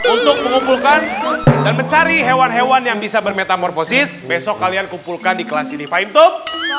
untuk mengumpulkan dan mencari hewan hewan yang bisa bermetamorfosis besok kalian kumpulkan di kelas unifie talk